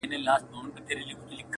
په یوه حمله یې پورته کړه له مځکي-